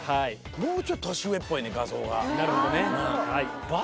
もうちょっと年上っぽい画像が。